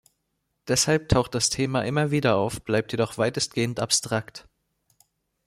Deshalb taucht das Thema immer wieder auf, bleibt jedoch weitestgehend abstrakt.